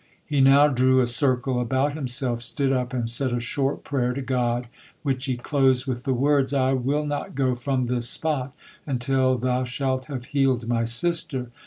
He now drew a circle about himself, stood up, and said a short prayer to God, which he closed with the words: "I will not go from this spot until Thou shalt have healed my sister.